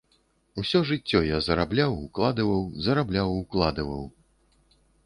Усё жыццё я зарабляў, укладваў, зарабляў, укладваў.